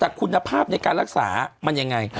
แต่คุณภาพในการรักษามันยังไง